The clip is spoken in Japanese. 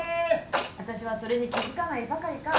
私はそれに気付かないばかりか。